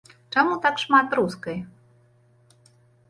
Чаму так шмат рускай?